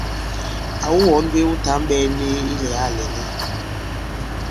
Àwu wɔ̌ŋ mbe wu tǎŋ ɓɛ̄ɛ nik ilɛ̀gâ lɛ̀n i?